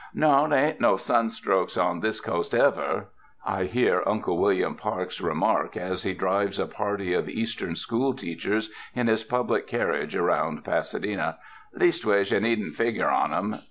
"No, they ain't no sunstrokes on this coast ever," 262 CONCERNING THE CLIMATE I iiear Uncle William Parkes remark, as he drives a party of Eastern school teachers in his public car riage around Pasadena, "leastways you needn't fig ger on 'em.